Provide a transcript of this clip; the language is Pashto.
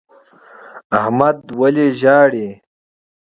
احمد ولي ژاړي؟